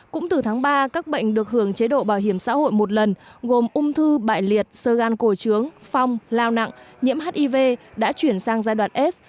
cũng từ tháng ba các bệnh được hưởng chế độ bảo hiểm xã hội một lần gồm ung thư bại liệt sơ gan cổ trướng phong lao nặng nhiễm hiv đã chuyển sang giai đoạn s